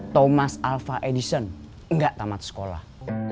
thomas alva edison gak tamat sekolah